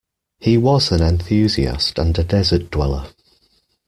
He was an enthusiast and a desert dweller.